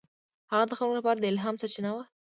هغه د خلکو لپاره د الهام سرچینه وه.